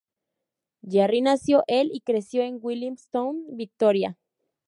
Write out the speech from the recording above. Jarry nació el y creció en Williamstown, Victoria.